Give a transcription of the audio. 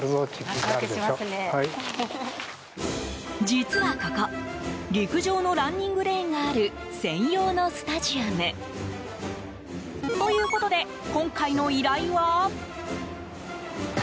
実はここ陸上のランニングレーンがある専用のスタジアム。ということで、今回の依頼は。